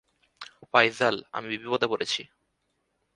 ফাইজাল, আমি বিপদে পরেছি।